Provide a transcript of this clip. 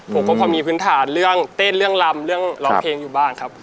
ผมก็พอมีพื้นฐานเรื่องเต้นเรื่องลำเรื่องร้องเพลงอยู่บ้างครับ